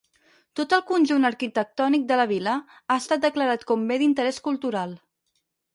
Tot el conjunt arquitectònic de la vila, ha estat declarat com Bé d'Interès Cultural.